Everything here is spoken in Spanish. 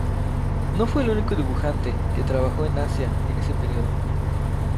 No fue el único dibujante que trabajó en Asia en ese periodo.